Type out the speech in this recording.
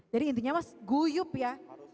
jadi intinya mas guyub ya